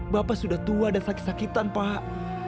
bapak sudah tua dan sakit sakitan pak